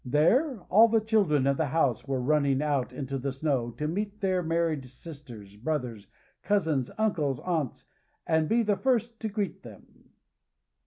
There, all the children of the house were running out into the snow to meet their married sisters, brothers, cousins, uncles, aunts, and be the first to greet them.